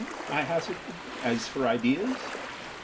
I hazarded, "as for ideas